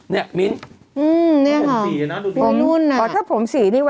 เนี่ยมิ้น